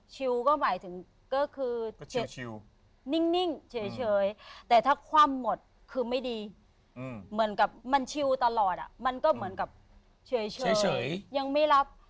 ก็หมายถึงก็คือนิ่งเฉยแต่ถ้าคว่ำหมดคือไม่ดีเหมือนกับมันชิลตลอดมันก็เหมือนกับเฉยยังไม่รับ